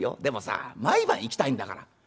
でもさ毎晩行きたいんだから。